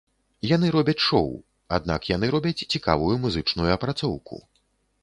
Яны робяць шоу, аднак яны робяць цікавую музычную апрацоўку.